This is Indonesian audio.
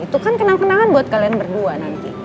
itu kan kenang kenangan buat kalian berdua nanti